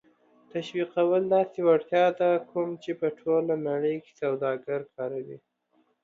تشویقول داسې وړتیا ده کوم چې په ټوله نړۍ کې سوداگر کاروي